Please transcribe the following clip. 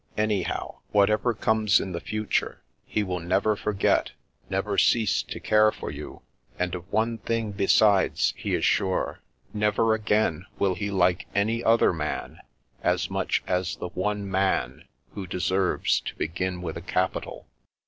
Anyhow, whatever comes in the future, he will never forget, never cease to care for you; and of one thing be sides, he is sure. Never again will he like any other man as much as the One Man who deserves to begin with a capital.